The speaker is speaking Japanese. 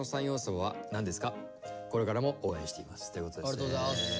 ありがとうございます。